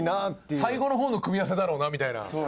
最後の方の組み合わせだろうなみたいな。